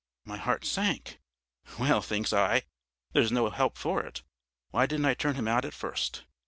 My heart sank. Well, thinks I, there's no help for it why didn't I turn him out at first?